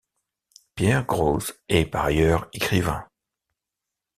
Pierre Grosz est par ailleurs écrivain.